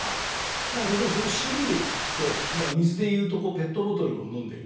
だから例えばそれをＣＤで聴くと水でいうとペットボトルを飲んでいるような感じ。